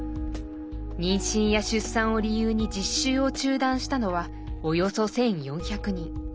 妊娠や出産を理由に実習を中断したのはおよそ１，４００人。